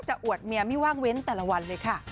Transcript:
อวดเมียไม่ว่างเว้นแต่ละวันเลยค่ะ